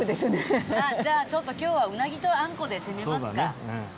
じゃあちょっと今日はうなぎとあんこで攻めますか。